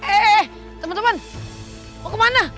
eh eh eh temen temen mau kemana